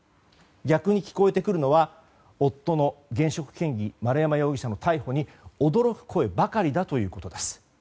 逆に聞こえてくるのは夫の現職県議丸山容疑者の逮捕に驚く声ばかりだということです。